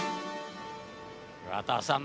桑田さん